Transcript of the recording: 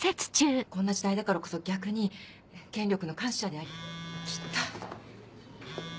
こんな時代だからこそ逆に権力の監視者であり。来た。